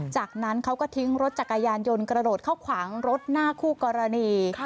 จากนั้นเขาก็ทิ้งรถจักรยานยนต์กระโดดเข้าขวางรถหน้าคู่กรณี